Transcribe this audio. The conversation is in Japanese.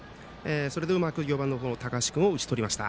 それでうまく４番の高橋君を打ち取りました。